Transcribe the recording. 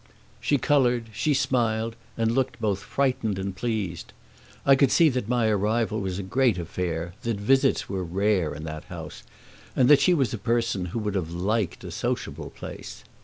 She colored, she smiled and looked both frightened and pleased. I could see that my arrival was a great affair, that visits were rare in that house, and that she was a person who would have liked a sociable place.